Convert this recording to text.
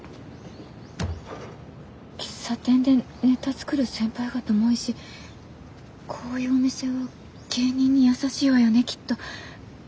喫茶店でネタ作る先輩方も多いしこういうお店は芸人に優しいわよねきっと。